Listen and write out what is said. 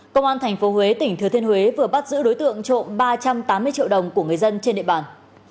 công an tp huế tỉnh thừa thiên huế vừa bắt giữ đối tượng trộm ba trăm tám mươi triệu đồng của người dân trên địa bàn